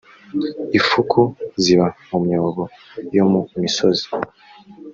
ifuku ziba mu myobo yo mu misozi .